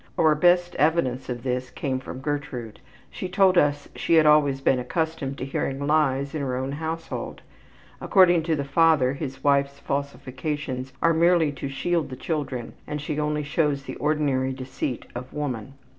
Our best evidence of this came from Gertrude. She told us she had always been accustomed to hearing lies in her own household. According to the father his wife's falsifications are merely to shield the children and she only shows the ordinary deceit of woman.